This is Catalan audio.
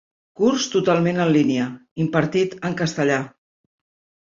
Curs totalment en línia, impartit en castellà.